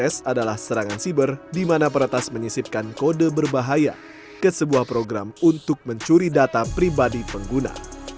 s adalah serangan siber di mana peretas menyisipkan kode berbahaya ke sebuah program untuk mencuri data pribadi pengguna